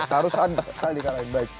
harus sekali di kalahin